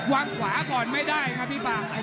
วางขวาก่อนไม่ได้ครับพี่ปาก